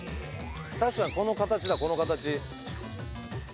確かにこの形だこの形。